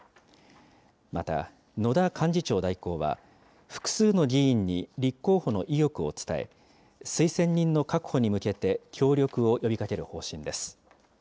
また、野田幹事長代行は、複数の議員に立候補の意欲を伝え、推薦人の確保に向けて、協力を呼びかける方針です。